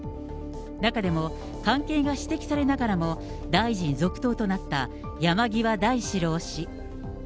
中でも関係が指摘されながらも、大臣続投となった山際大志郎氏。